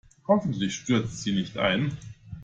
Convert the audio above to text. Hoffentlich stürzt sie nicht ein.